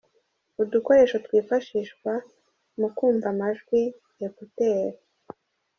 Udukoresho twifashishwa mu kumva amajwi ‘Ecouteur’.